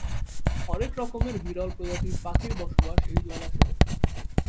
হরেক রকমের বিরল প্রজাতির পাখির বসবাস এই জলাশয়ে।